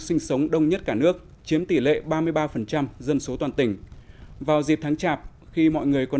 sinh sống đông nhất cả nước chiếm tỷ lệ ba mươi ba dân số toàn tỉnh vào dịp tháng chạp khi mọi người còn